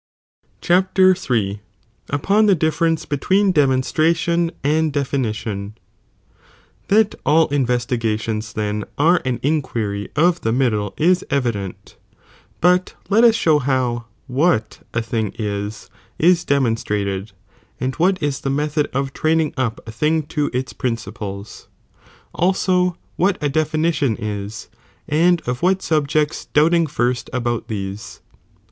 Chap. JIL—Upon the Biffi X between Semonstraiion and That all investigations then are an inquiry of the middle is evident, but let us show how what a thing is, is demon strated, and what is the method of training up a thing to its ,.^ principles,^ ■f' also what a definition is, and of wLat e, amAi^c^ subjects doubting first about these.